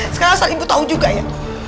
sekarang asal ibu tau juga ya